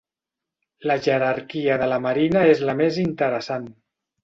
La jerarquia de la Marina és la més interessant.